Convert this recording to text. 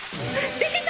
できた！